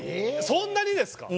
そんなにですか！？